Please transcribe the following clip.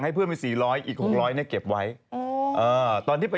ครับเกริงต้องรองคำนี้นะ